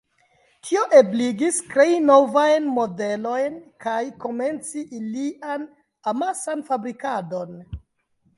Tio ebligis krei novajn modelojn kaj komenci ilian amasan fabrikadon.